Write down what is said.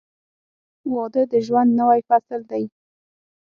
• واده د ژوند نوی فصل دی.